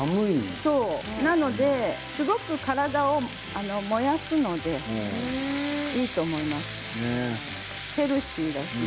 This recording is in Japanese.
そう、すごく体を燃やすのでいいと思います、ヘルシーだし。